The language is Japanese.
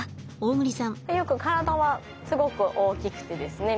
ユウ君体はすごく大きくてですね